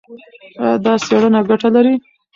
ایا دا څېړنه ګټه لري؟